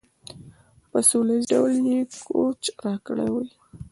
په سوله ایز ډول یې کوچ راکړی وي.